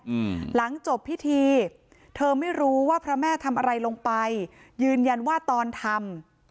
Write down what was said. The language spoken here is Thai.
อืมหลังจบพิธีเธอไม่รู้ว่าพระแม่ทำอะไรลงไปยืนยันว่าตอนทำ